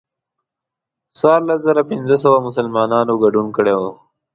څوارلس زره پنځه سوه مسلمانانو ګډون کړی و.